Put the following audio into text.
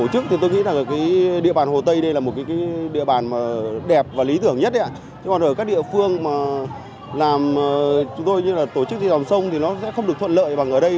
chứ còn ở các địa phương mà làm chúng tôi như là tổ chức thi đồng sông thì nó sẽ không được thuận lợi bằng ở đây